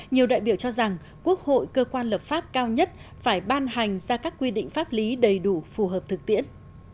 nhiều đại biểu cho rằng quốc hội cơ quan lập pháp cao nhất phải ban hành ra các quy định pháp lý đầy đủ phù hợp thực tiễn